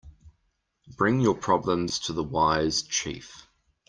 Bring your problems to the wise chief.